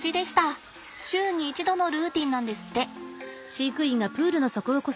週に一度のルーティンなんですって。